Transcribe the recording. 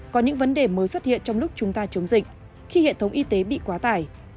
có những vấn đề mới xuất hiện trong lúc chúng ta chống dịch khi hệ thống y tế bị quá tải